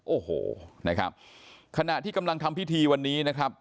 โอ้โหนะครับขณะที่กำลังทำพิธีวันนี้นะครับ